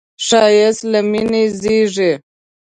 ښایست له مینې زېږي